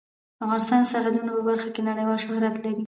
افغانستان د سرحدونه په برخه کې نړیوال شهرت لري.